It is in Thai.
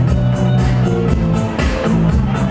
ไม่ต้องถามไม่ต้องถาม